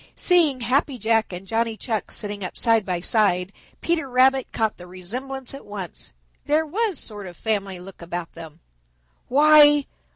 Seeing Happy Jack and Johnny Chuck sitting up side by side, Peter Rabbit caught the resemblance at once. There was sort of family look about them. "Why!